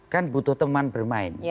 kan butuh teman bermain